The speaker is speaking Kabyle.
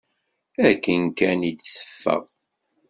Akken kan i d-teffeɣ.